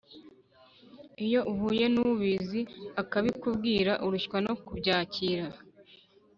iyo uhuye n’ubizi akabikubwira, urushywa no kubyandika,